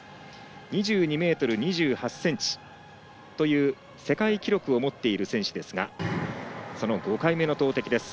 ２２ｍ２８ｃｍという世界記録を持っている選手ですがその５回目の投てきです。